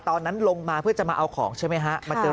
ตอนนั้นลงมาเพื่อจะมาเอาของใช่ไหมฮะ